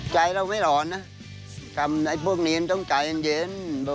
ใจเราไม่ร้อนทำพวกนี้มันต้องใสเย็น